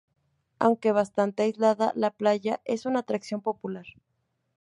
Aunque bastante aislada, la playa es una atracción popular.